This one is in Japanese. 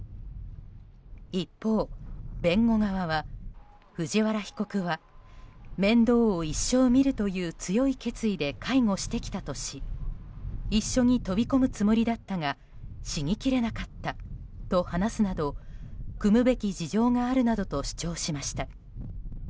一方、弁護側は藤原被告は面倒を一生見るという強い決意で介護してきたとし一緒に飛び込むつもりだったが死にきれなかったと話すなどくむべき事情があるなどと主張しました。